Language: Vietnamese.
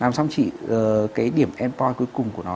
làm xong chỉ cái điểm end point cuối cùng của nó